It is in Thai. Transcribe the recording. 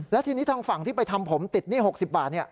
แล้วทีนี้ทางฝั่งที่ไปทำผมติดเงิน๖๐บาทเนี่ย